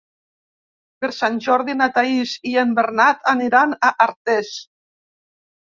Per Sant Jordi na Thaís i en Bernat aniran a Artés.